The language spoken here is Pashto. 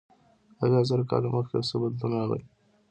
اویا زره کاله مخکې یو څه بدلون راغی.